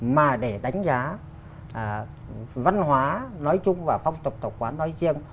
mà để đánh giá văn hóa nói chung và phong tộc tổng quán nói riêng